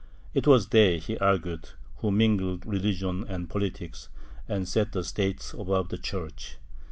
It was they, he argued who mingled religion and politics, and set the State above the Church.